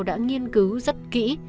đã nghiên cứu rất kỹ